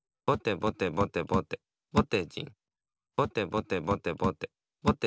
ぼてぼてぼてぼて。